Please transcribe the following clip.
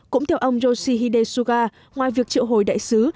cũng theo ông yoshihide suga ngoài việc triệu hồi đại sứ